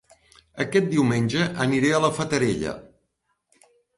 Aquest diumenge aniré a La Fatarella